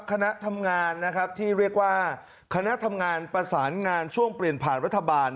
คณะทำงานนะครับที่เรียกว่าคณะทำงานประสานงานช่วงเปลี่ยนผ่านรัฐบาล